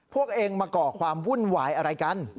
พวกเองมาก่อความวุ่นวายอะไรกัน